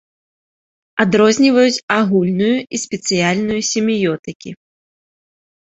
Адрозніваюць агульную і спецыяльную семіётыкі.